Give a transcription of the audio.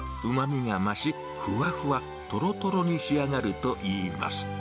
うまみが増し、ふわふわとろとろに仕上がるといいます。